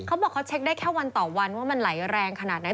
เขาบอกเขาเช็คได้แค่วันต่อวันว่ามันไหลแรงขนาดไหน